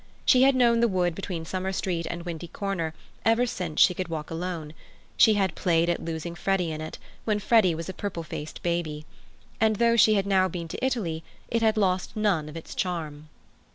She had known the wood between Summer Street and Windy Corner ever since she could walk alone; she had played at losing Freddy in it, when Freddy was a purple faced baby; and though she had been to Italy, it had lost none of its charm.